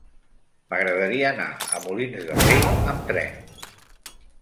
M'agradaria anar a Molins de Rei amb tren.